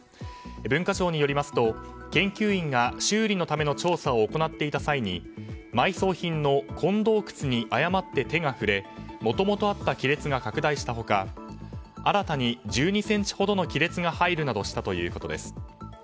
文化庁によりますと研究員が修理のための調査を行っていた際に埋葬品の金銅履に誤って手が触れもともとあった亀裂が拡大した他新たに１２ｃｍほどの亀裂が入るなどしたということです。